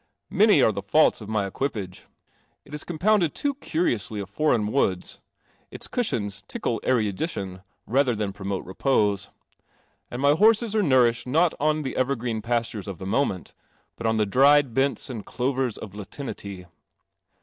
Many are the faults of my equipage ; i* is compounded too curiously of foreign wood: its cushions tickle erudition rather than pro mote repose; and my horses are nourished no on the evergreen pastures of the moment, bi. on the dried bents and clovers ofLatinity.